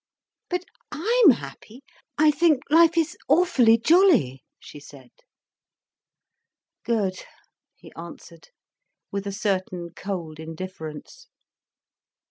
"But I'm happy—I think life is awfully jolly," she said. "Good," he answered, with a certain cold indifference.